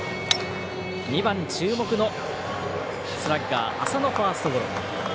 ２番、注目のスラッガー浅野ファーストゴロ。